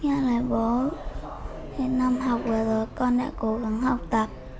như là bố năm học rồi rồi con đã cố gắng học tập